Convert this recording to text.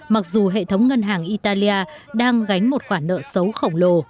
mặc dù hệ thống ngân hàng italia đang gánh một khoản nợ xấu khổng lồ